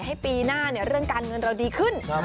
ปีหน้าเรื่องการเงินเราดีขึ้น